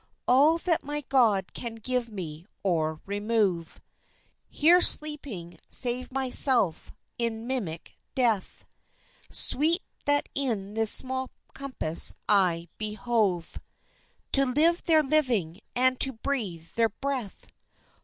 All that my God can give me, or remove, Here sleeping, save myself, in mimic death. Sweet that in this small compass I behove To live their living and to breathe their breath!